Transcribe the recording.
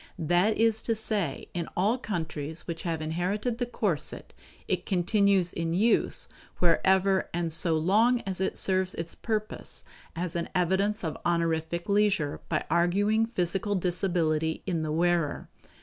That is to say, in all countries which have inherited the corset it continues in use wherever and so long as it serves its purpose as an evidence of honorific leisure by arguing physical disability in the wearer.